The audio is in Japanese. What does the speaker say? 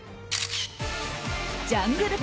ジャングル